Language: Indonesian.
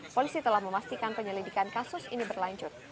polisi telah memastikan penyelidikan kasus ini berlanjut